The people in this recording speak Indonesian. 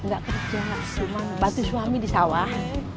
gak kerja cuma membantu suami di sawah